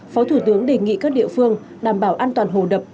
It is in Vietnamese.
phó thủ tướng đề nghị các địa phương đảm bảo an toàn hồ đập